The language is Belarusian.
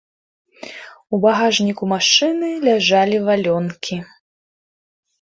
У багажніку машыны ляжалі валёнкі.